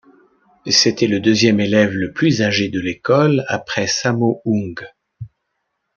C'était le deuxième élève le plus âgé de l'école, après Sammo Hung.